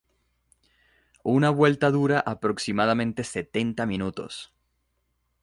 Una vuelta dura aproximadamente setenta minutos.